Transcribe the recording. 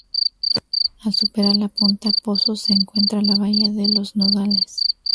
Al superar la punta Pozos se encuentra la bahía de los Nodales.